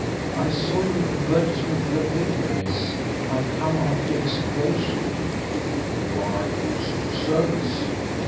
"I saw your advertisement in the paper, miss; I've come after the situation." "You are used to service?"